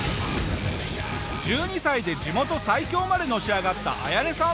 １２歳で地元最強までのし上がったアヤネさん。